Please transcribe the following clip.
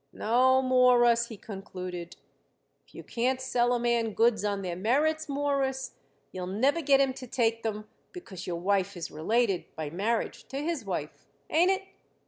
"No, Mawruss," he concluded, "if you can't sell a man goods on their merits, Mawruss, you'll never get him to take them because your wife is related by marriage to his wife. Ain't it?